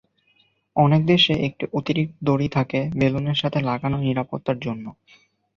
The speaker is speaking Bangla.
অনেক দেশে একটি অতিরিক্ত দড়ি থাকে বেলুনের সাথে লাগানো নিরাপত্তার জন্য।